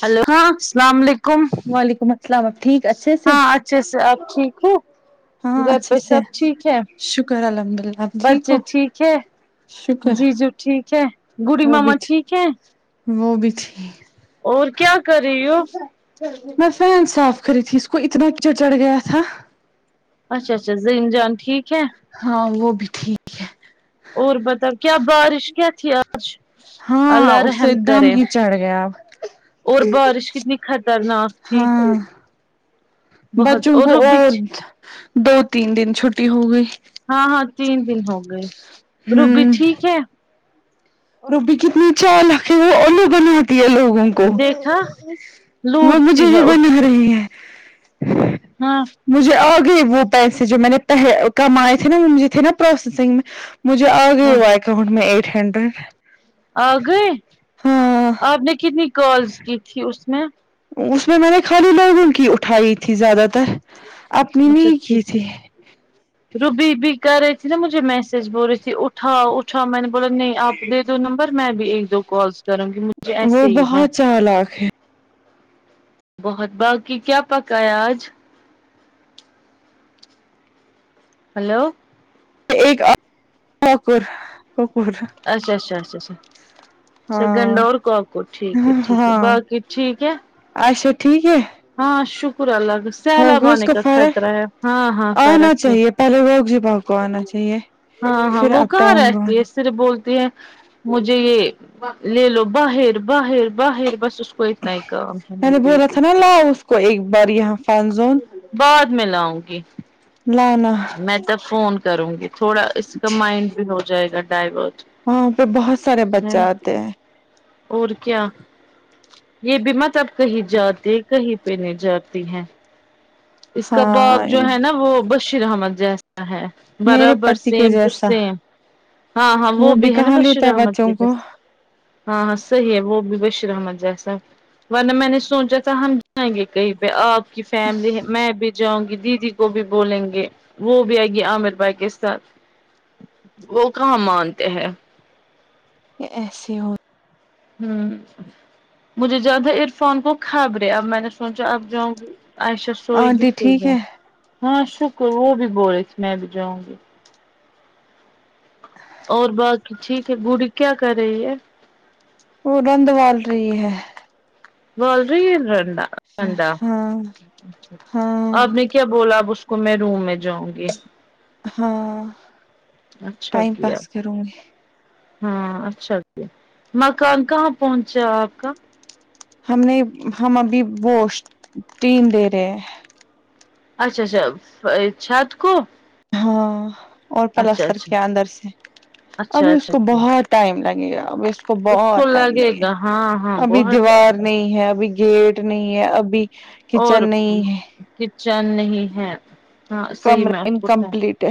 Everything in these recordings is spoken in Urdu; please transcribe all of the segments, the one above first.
ہیلو ہاں السلام علیکم وعلیکم السلام آپ ٹھیک اچھے سے ہاں چھے سے آپ ٹھیک ہو ہاں گھر اچھے پہ سے سب ٹھیک ہے شکر الحمد اللہ آپ بچے ہو ٹھیک ہے شکر جی جو ٹھیک ہے گوڑی وہ بھی ماما ٹھیک ہے وہ بھی تھیک اور کیا کر رہی ہو میں فان صاف کری تھی اس کو اتنا چڑ چڑھ گیا تھا اچھا اچھا زین جانتی ہے کیا ہاں وہ بھی ٹھیک [unintelligible] اور بتاؤ کیا بارش کیا تھی آ آج ہاں اللہ اس سے رحم دم کرے ہی چڑھ گیا اب اور بارش کتنی خطرناک تھی ہاں بہت بچوں کو روبی اور دو تین دن چھٹی ہو گئی ہاں ہاں تین دن ہو گئے روبی ہوں ٹھیک ہے روبی کتنی چالکھ ہے وہ الو بناتی ہے لوگوں کو دیکھا وہ مجھے لوٹتی ہے بھی بنا رہی ہے ہاں مجھے آ گئی وہ پیسے جو میں نے پہے کمائے تھے نا وہ مجھے تھے نا پروسیسنگ میں مجھے ہاں آگئے وہ اکاؤنٹ میں ایٹ ہنڈریڈ آ گئے ہاں آپ نے کتنی کالز کی تھی اس میں اس میں میں نے خالی لرگن کی اٹھائی تھی زیادہ تر اپنی اچھا نہیں کی تھی ٹھیک روبی بھی کر رہی تھی نا مجھے میسج بول رہی تھی اٹھاؤ اٹھاؤ میں نے بولا نہیں آپ دے دو نمبر میں بھی ایک دو کالس کروں گی مجھے وہ ایسے ہی ہے بہت چالاک ہے بہت باقی کیا پکا ہے آج ہیلو [unintelligible] اچھا اچھا اچھا اچھا سیکنڈ ہاں ڈور کو اپ کو ٹھیک ہے ٹھیک ہے ہاں باقی ٹھیک ہے اچھا ٹھیک ہے ہاں شکر اللہ کا سیلاب ہوگئی اس آنے کو کا فرق خطرہ ہے ہاں ہاں آنا فرق ہے چاہیے پہلے روگ جی بھاؤ کو آنا چاہیے ہاں ہاں پھر وہ اپ کہاں ڈاؤن کو رہتی ہے آنا صرف بولتی ہیں مجھے یہ لے لو باہر باہر باہر بس اس کوئیت نا کام ہے میں نے میری بولا بیٹی تھا نا لاؤ اس کو ایک بار یہاں فون زون بعد میں لاؤں گی نہ نہ میں تب فون کروں گی تھوڑا اس کا مائنڈ بھی ہو جائے گا ڈائیورٹ وہاں پہ بہت سارے بچے آتے ہیں اور کیا یہ بھی مت اب کہیں جاتے کہیں پہنے جاتی ہیں اس کا باپ ہاں جو ہے نا وہ بشیر احمد جیسا ہے میرے برابر پتی کے سیم ٹو جیسا سیم ہاں ہاں وہ بھی ہے نا کہاں بشیر لیتا ہے احمد کے بچوں کو جیسا ہاں ہاں صحیح ہے وہ بھی بشیر احمد جیسا ورنہ میں نے سوچا تھا ہم جائیں گے کہیں پہ آپ کی فیملی میں بھی جاؤں گی دیدی کو بھی بولیں گے وہ بھی آئے گی عامر بھائی کے ساتھ وہ کہاں مانتے ہیں یہ ایسے ہو ہوں مجھے زیادہ عرفان کو خھبرے اب میں نے سوچا اب جاؤں گی عائشہ سوئے گی آنٹی پھر ٹھیک جاؤ ہے ہاں شکر وہ بھی بولے تھے میں بھی جاؤں گی ہ [inaudible] اور باقی ٹھیک ہے گڑی کیا کر رہی ہے وہ گند وال رہی ہے وال ری ہے رنڈا انڈا ہاں ہاں آپ نے کیا بولا اب اس کو میں روم میں جاؤں گی ہاں اچھا ٹائم کیا پاس کروں گی ہاں اچھا کیا مکان کہاں پہنچا آپ کا ہم نے ہم ابھی بوش تین دے رہے ہیں اچھا اچھا چھت کو ہاں اور اچھا پلستر اچھا کیا اندر سے اچھا ابھی اس اچھا کو کیا بہت ٹائم لگے گا اب اس کو بہت ٹائم لگے گا ہاں ہاں ابھی بہت دیوار ٹائم لگے نہیں ہے ابھی گیٹ نہیں ہے ابھی اور کچن نہیں ہے کچن نہیں ہے ہاں صحیح کمرہ میں [unintelligible] ہے انکمپلیٹ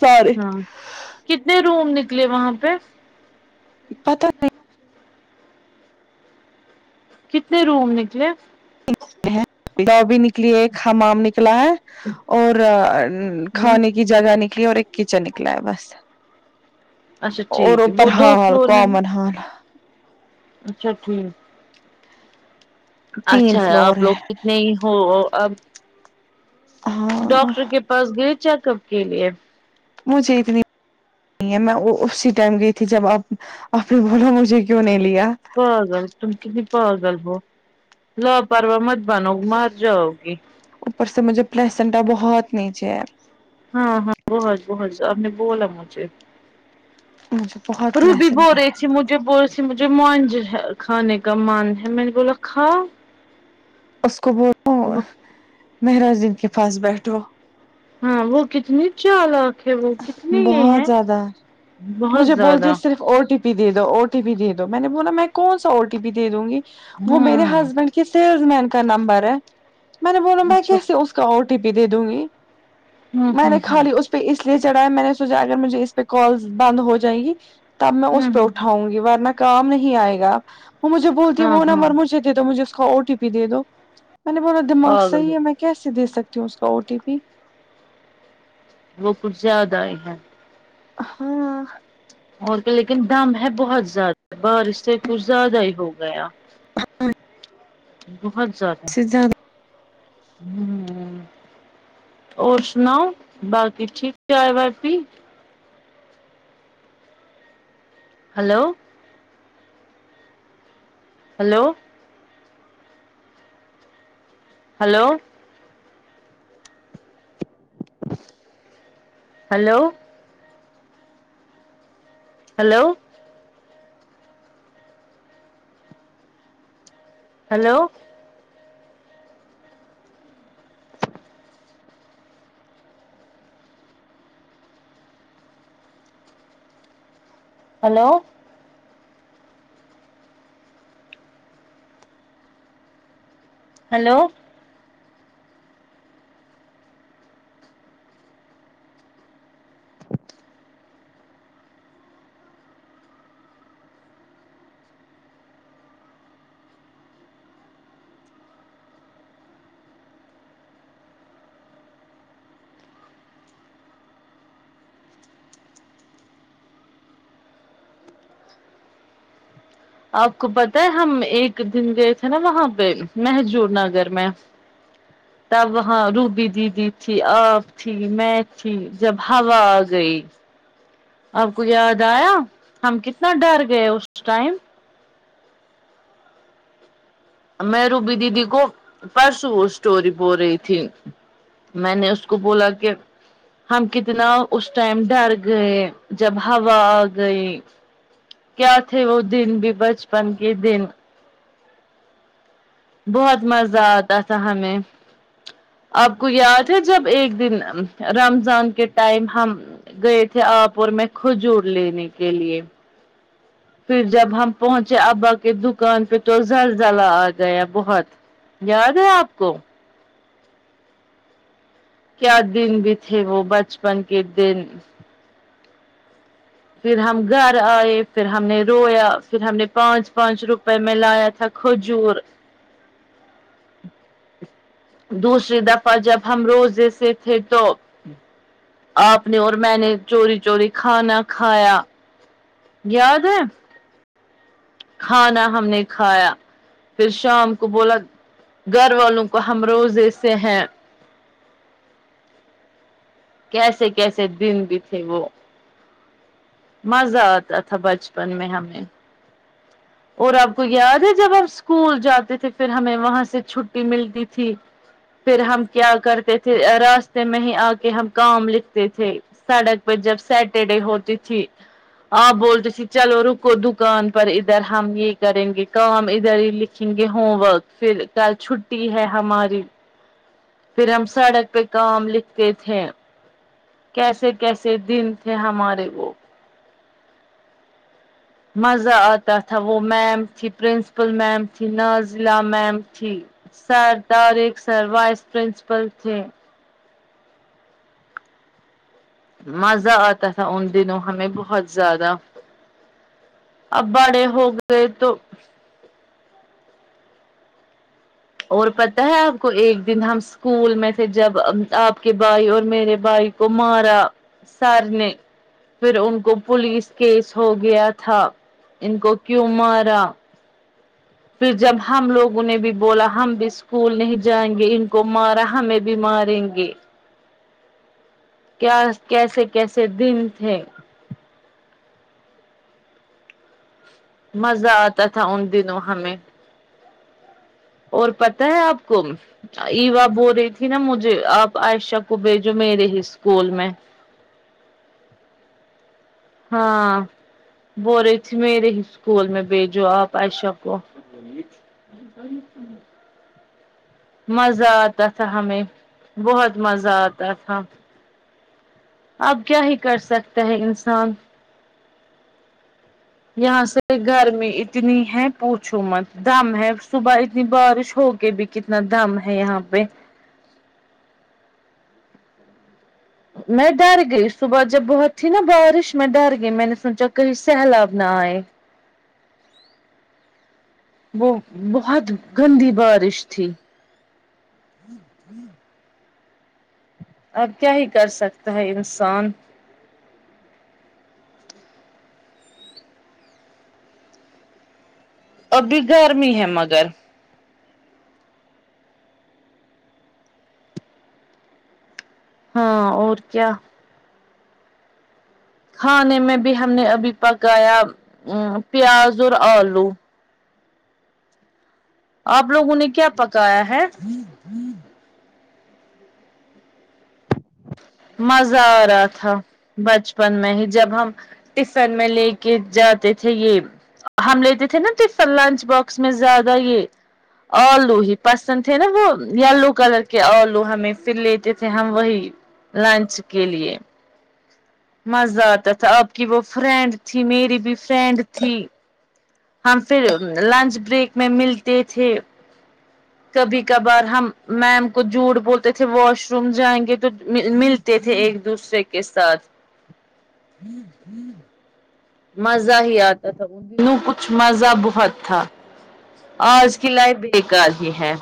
سارے ہاں کتنے روم نکلے وہاں پہ پتہ کتنے روم نکلے لابی نکلی ہے حمام نکلا ہے اور ہ کھانے کی جگہ نکلی اور ایک کچن نکلا ہے بس اچھا اور ٹھیک ہے اوپر وہ دو حال فلور ہے نا کومن ہال اچھا ٹھیک تین اچھا ہے فلور آپ لوگ اتنے ہی ہو اب ہاں ڈاکٹر کے پاس گئے چیک اپ کے لیے مجھے اتنی میں اسی ٹائم گئی تھی جب آپ آپ نے بولا مجھے کیوں نہیں لیا پاگل تم کتنی پاگل ہو لا پرواہ مت بنو مر جاؤ گی اوپر سے مجھے پلسنٹا بہت نیچے ہے ہاں ہاں بہت بہت آپ نے بولا مجھے مجھے بہت روبی پلیسنٹ بول ہے رہی تھی مجھے بول مجھے مانج کھانے کا من ہے میں نے بولا کھاو اس کو بولو مہراج دیدی کے پاس بیٹھو ہاں وہ کتنی چالاک ہے وہ کتنی یہ ہے بہت زیادہ بہت مجھے بولتی ہے زیادہ صرف او ٹی پی دے دو او ٹی پی دے دو میں نے بولا میں کون سا او ٹی پی دے دوں گی وہ میرے ہاں ہسبینڈ سیلس مین کا نمبر ہے میں نے بولا میں اچھا کیسے اس کا او ٹی پی دے دوں گی ہوں میں ہوں نے ہوں خالی اس پہ اس لیے چڑھایا میں نے سوچا اگر مجھے اس پہ کال بند ہو جائیں گی تب میں اس ہوں پہ ہوں اٹھاؤں گی ورنہ کام نہیں آئے گا وہ مجھے بولتی ہے ہاں وہ ہاں نمبر مجھے دے دو مجھے اس کا او ٹی پی دے دو میں نے بولا دماغ پاگل صحیح ہو ہے میں کیسے دے سکتی ہوں اس کا او ٹی پی وہ کچھ زیادہ ہی ہیں ہاں اور کہ لیکن دم ہے بہت زیادہ بارش سے کچھ زیادہ ہی ہو گیا بہت زیادہ سے زیادہ امم اور سناؤ باقی ٹھیک کیا ہے باجی hello hello hello hello hello hello hello hello آپ کو پتہ ہے ہم ایک دن گئے تھے نا وہاں پہ مہجور نگر میں تب وہاں روبی دیدی تھی آپ تھی میں تھی جب ہوا آ گئی آپ کو یاد آیا ہم کتنا ڈر گئے اس ٹائم میں روبی دیدی کو پرسوں وہ اسٹوری بول رہی تھی میں نے اس کو بولا کہ ہم کتنا اس ٹائم ڈر گئے جب ہوا آ گئی کیا تھے وہ دن بھی بچپن کے دن بہت مزہ آتا تھا ہمیں آپ کو یاد ہے جب ایک دن رمضان کے ٹائم ہم گئے تھے آپ اور میں کھجور لینے کے لیے پھر جب ہم پہنچے ابا کے دکان پہ تو زلزلہ آ گیا بہت یاد ہے آپ کو کیا دن بھی تھے وہ بچپن کے دن پھر ہم گھر آئے پھر ہم نے رویا پھر ہم نے پانچ پانچ روپئے میں لایا تھا کھجور دوسری دفعہ جب ہم روزے سے تھے تو آپ نے اور میں نے چوری چوری کھانا کھایا یاد ہے کھانا ہم نے کھایا پھر شام کو بولا گھر والوں کو ہم روز ایسے ہیں کیسے کیسے دن بھی تھے وہ مزہ آتا تھا بچپن میں ہمیں اور آپ کو یاد ہے جب آپ اسکول جاتے تھے پھر ہمیں وہاں سے چھٹی ملتی تھی پھر ہم کیا کرتے تھے راستے میں ہی آ کے ہم کام لکھتے تھے سڑک پہ جب سیٹرڈے ہوتی تھی آپ بولتے تھی چلو رکو دکان پر ادھر ہم یہ کریں گے کام ادھر ہی لکھیں گے ہوم ورک پھر کل چھٹی ہے ہماری پھر ہم سڑک پہ کام لکھتے تھے کیسے کیسے دن تھے ہمارے وہ مزہ آتا تھا وہ میم تھی پرنسپل میم تھی نازیہ میم تھی سر دار ایک سر وائس پرنسپل تھے مزہ آتا تھا ان دنوں ہمیں بہت زیادہ اب بڑے ہو گئے تو اور پتہ ہے اپ کو ایک دن ہم اسکول میں تھے جب اب اپ کے بھائی اور میرے بھائی کو مارا سار نے پھر ان کو پولیس کیس ہو گیا تھا ان کو کیوں مارا پھر جب ہم لوگوں نے بھی بولا ہم بھی اسکول نہیں جائیں گے ان کو مارا ہمیں بھی ماریے گے کیا کیسے کیسے دن تھے مزہ اتا تھا ان دنوں ہمیں اور پتہ ہے اپ کو ایو بول رہی تھی نا مجھے اپ عائشہ کو بھیجو میرے ہی اسکول میں ہاں بول رہی تھی میرے ہی اسکول میں بھیجو اپ عشہ کو ائی سمجھ مزہ اتا تھا ہمیں بہت مزہ اتا تھا اب کیا ہی کر سکتے ہے انسان یہاں سے گرمی اتنی ہے پوچھو مت دم ہے صبح اتنی بارش ہو کے بی کتنا دام ہے یہاں پہ میں ڈر گئی صبح جب بہت تھی نا بارش میں ڈر گئی میں نے سوچا کہیں سہلاب نہ ائے وہ بہت گندی بارش تھی اب کیا ہی کر سکتا ہے انسان ابھی گرمی ہے مگر ہاں اور کیا کھانے میں بھی ہم نے ابھی پکایا پیاز اور الو اپ لوگوں نے کیا پکایا ہے مزہ ا رہا تھا بچپن میں ہی جب ہم ٹفن میں لے کے جاتے تھے یہ ہم لیتے تھے نا ٹفن لنچ باکس میں زیادہ یہ الو ہی پسند تھے نا وہ یلو کولور کے الو ہمیں پھر لیتے تھے ہم وہی لنچ کے لیے مزہ اتا تھا اپ کی وہ فرینڈ تھی میری بھی فرینڈ تھی ہم پھر لنچ بریک میں ملتے تھے کبھی کبھار ہم میم کو جھوٹ بولتے تھے واش روم جائیں گے تو مل مل تھے ایک دوسرے کے ساتھ مزہ ہی اتا تھا ان دنوں کچھ مزہ بہت تھا اج کی لائف بیکار ہی ہے